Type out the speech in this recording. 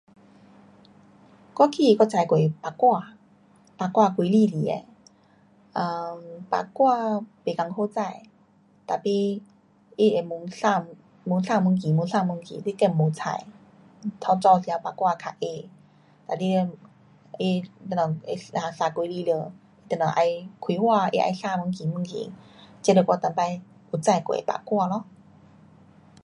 我记得我种过木瓜，木瓜果子来的，um 木瓜不困苦种，tapi 它会越生，越生越高，越生越高，你自随採，较早时头木瓜较矮，哒你那，矮等下它生，生果子了，等下再开花它再生越高越高。这是我上次有种过的木瓜咯。